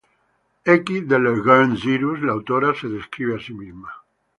X de "Le Grand Cyrus" la autora se describe a sí misma.